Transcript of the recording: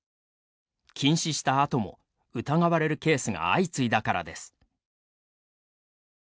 禁止したあとも疑われるケースが相次いだからです。